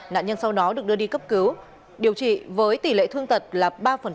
nạn nhân sau đó được đưa đi cấp cứu điều trị với tỷ lệ thương tật là ba